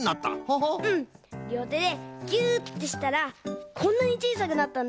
りょうてでぎゅってしたらこんなにちいさくなったんだ！